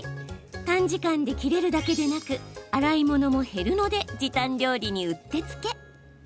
短時間で切れるだけでなく洗い物も減るので時短料理にうってつけ。